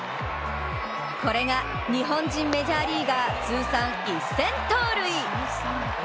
これが日本人メジャーリーガー通算１０００盗塁。